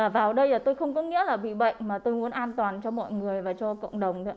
vào đây tôi không có nghĩa là bị bệnh mà tôi muốn an toàn cho mọi người và cho cộng đồng nữa